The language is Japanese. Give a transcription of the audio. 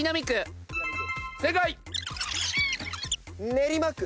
練馬区。